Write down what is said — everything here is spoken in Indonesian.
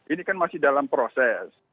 ini kan masih dalam proses